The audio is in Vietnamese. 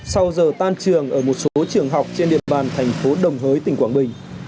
sau giờ tan trường ở một số trường học trên địa bàn thành phố đồng hới tỉnh quảng bình